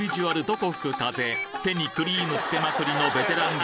どこ吹く風手にクリームつけまくりのベテラン